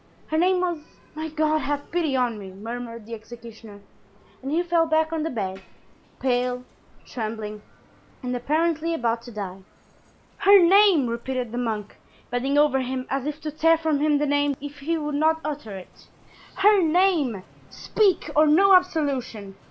"Her name was——My God, have pity on me!" murmured the executioner; and he fell back on the bed, pale, trembling, and apparently about to die. "Her name!" repeated the monk, bending over him as if to tear from him the name if he would not utter it; "her name! Speak, or no absolution!"